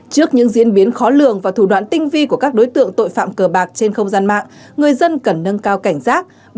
trước những diễn biến khó lường và thủ đoạn tinh vi của các đối tượng tội phạm cờ bạc trên không gian mạng người dân cần nâng cao cảnh giác